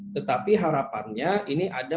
tetapi harapannya ini ada